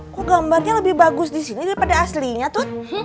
kok gambarnya lebih bagus disini daripada aslinya tut